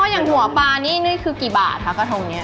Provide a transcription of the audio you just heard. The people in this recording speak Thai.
อย่างหัวปลานี่นี่คือกี่บาทคะกระทงนี้